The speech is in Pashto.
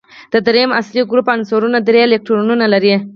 د دریم اصلي ګروپ عنصرونه درې الکترونونه لري.